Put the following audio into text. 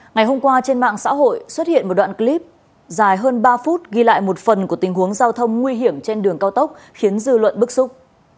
ngày hôm qua trên mạng xã hội xuất hiện một đoạn clip dài hơn ba phút ghi lại một phần của tình huống giao thông nguy hiểm trên đường cao tốc khiến dư luận bức xúc